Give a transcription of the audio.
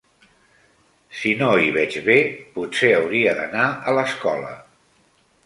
Si no hi veig bé, potser hauria d'anar a l'escola.